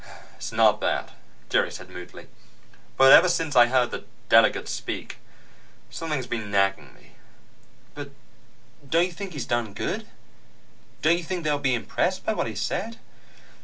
"It's not that," Jerry said moodily. "But ever since I heard the Delegate speak, something's been nagging me." "But don't you think he's done good? Don't you think they'll be impressed by what he said?"